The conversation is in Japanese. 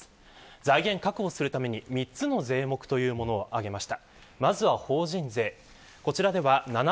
財源を確保するために３つの税目を挙げました。